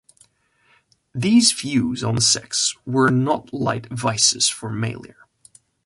These views on sex were not light vices for Mailer.